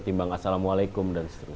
ketimbang assalamualaikum dan seterusnya